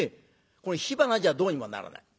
これ火花じゃどうにもならない。